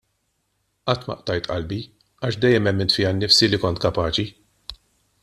Qatt ma qtajt qalbi għax dejjem emmint fija nnifsi li kont kapaċi.